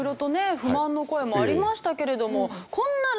不満の声もありましたけれども。